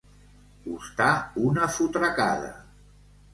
Costar una fotracada.